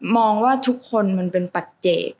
มองว่าทุกคนมันเป็นปัจเจก